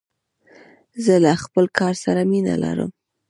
زه له خپل کار سره مینه لرم.